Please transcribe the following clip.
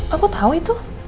aku tahu itu